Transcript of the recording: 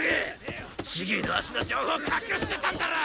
千切の足の情報隠してたんだろ！